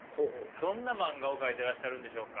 どんな漫画を描いてらっしゃるんでしょうか。